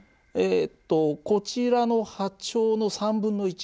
こちらの波長の３分の１。